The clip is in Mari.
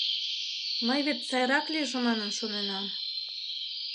— Мый вет сайрак лийже манын шоненам.